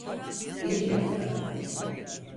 İyi nokta.